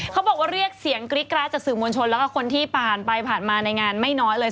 เขาบอกว่าเรียกเสียงกริ๊กกราดจากสื่อมวลชนแล้วก็คนที่ผ่านไปผ่านมาในงานไม่น้อยเลย